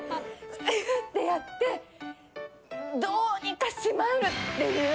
ぎゅってやってどうにか閉まるみたいな。